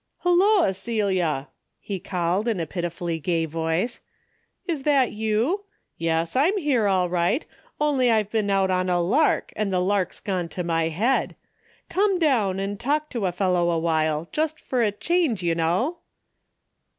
" Hulloa, Celia," he called, in a pitifully gay voice, "is that you? Yes, I'm here all right, only I've been out on a lark and the lark's gone to my head. Come down, and talk to a fellow a while, just fer a change, you know."